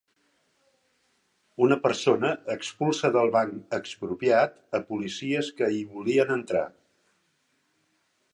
Una persona expulsa del Banc Expropiat a policies que hi volien entrar